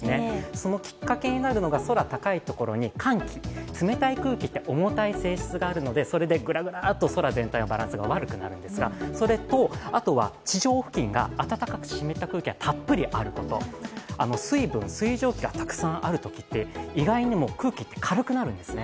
そのきっかけになるのが空高いところに寒気、冷たい空気って重たい性質があるのでそれでグラグラと空全体のバランスが悪くなるんですが、それと地上付近に暖かい空気がたっぷりあること、水蒸気がたくさんあるときって意外にも空気が軽くなるんですね。